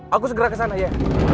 aku segera kesana ya